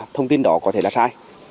thông tin đó có thể là sai